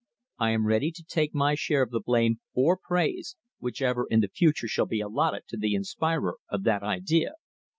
I am ready to take my share of the blame or praise, whichever in the future shall be allotted to the inspirer of that idea.